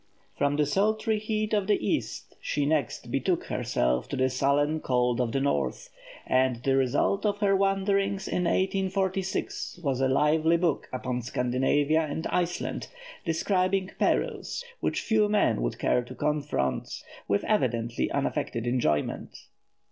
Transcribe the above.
From the sultry heat of the East she next betook herself to the sullen cold of the North; and the result of her wanderings in 1846 was a lively book upon Scandinavia and Iceland, describing perils which few men would care to confront, with evidently unaffected enjoyment.